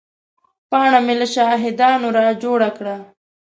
پاڼه مې له شاهدانو را جوړه کړه.